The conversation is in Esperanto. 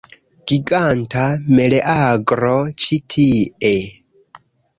Giganta meleagro ĉi tie!